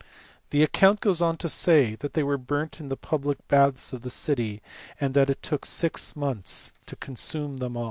The account goes on to say that they were burnt in the public baths of the city, and that it took six months to consume them all.